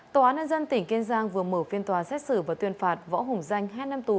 tòa án nhân dân tỉnh kiên giang vừa mở phiên tòa xét xử và tuyên phạt võ hùng danh hai năm tù